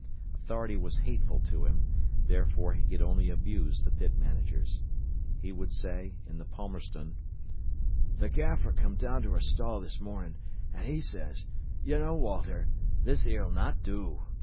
Authority was hateful to him, therefore he could only abuse the pit managers. He would say, in the Palmerston: "Th' gaffer come down to our stall this morning, an' 'e says, 'You know, Walter, this 'ere'll not do.